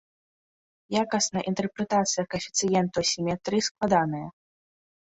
Якасная інтэрпрэтацыя каэфіцыенту асіметрыі складаная.